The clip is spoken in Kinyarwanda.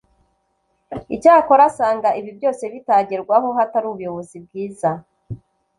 Icyakora asanga ibi byose bitagerwaho hatari ubuyobozi bwiza